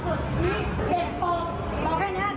เจ้าหน้าที่อยู่ตรงนี้กำลังจะปัด